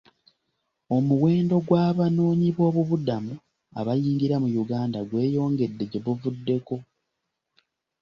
Omuwendo gw'abanoonyboobubudamu abayingira mu Uganda gweyongedde gye buvuddeko.